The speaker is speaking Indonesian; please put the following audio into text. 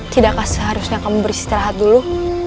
tidakkah seharusnya kamu beristirahat dulu